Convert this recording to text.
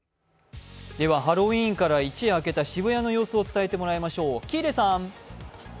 ハロウィーンから一夜明けた渋谷の様子を伝えてもらいましょう。